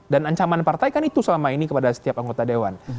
dan ancaman partai kan itu selama ini kepada setiap anggota dewan